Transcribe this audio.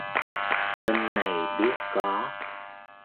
Xuân này biết có